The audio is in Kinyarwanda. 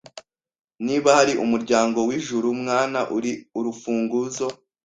Niba hari umuryango wijuru, mwana, uri urufunguzo